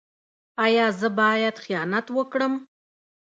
ایا زه باید خیانت وکړم؟